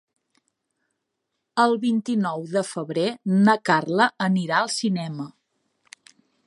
El vint-i-nou de febrer na Carla anirà al cinema.